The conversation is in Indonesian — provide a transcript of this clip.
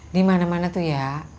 di mana mana tuh ya